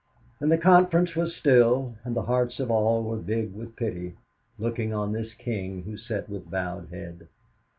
"And the conference was still, and the hearts of all were big with pity, looking on this king who sat with bowed head.